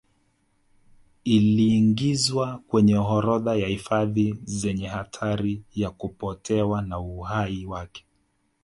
Iliingizwa kwenye orodha ya hifadhi zenye hatari ya kupotewa na uhai wake